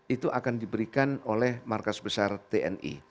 itu akan diberikan oleh markas besar tni